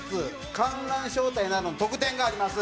観覧招待などの特典があります！